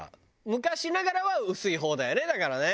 昔ながらは薄い方だよねだからね。